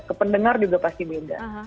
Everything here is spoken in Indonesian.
ke pendengar juga pasti beda